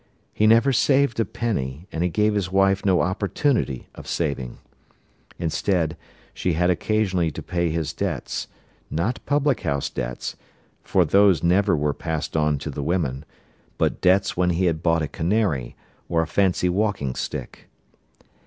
He never saved a penny, and he gave his wife no opportunity of saving; instead, she had occasionally to pay his debts; not public house debts, for those never were passed on to the women, but debts when he had bought a canary, or a fancy walking stick.